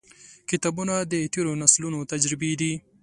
• کتابونه، د تیرو نسلونو تجربې دي.